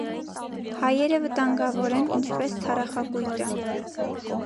Հայերը վտանգավոր են՝ ինչպես թարախակույտը։